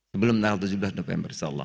sebelum tanggal tujuh belas november insyaallah